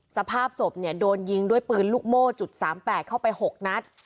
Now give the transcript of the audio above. สภาพศพเนี่ยโดนยิงด้วยปืนลูกโม่จุด๓๘เข้าไป๖นัด